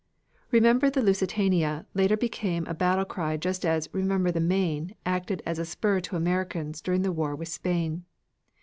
"Remember the Lusitania!" later became a battlecry just as "Remember the Maine!" acted as a spur to Americans during the war with Spain.